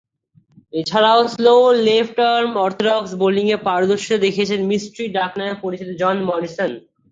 এছাড়াও, slow left arm orthodox বোলিংয়ে পারদর্শীতা দেখিয়েছেন 'মিস্ট্রি' ডাকনামে পরিচিত জন মরিসন।